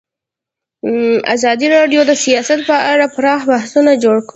ازادي راډیو د سیاست په اړه پراخ بحثونه جوړ کړي.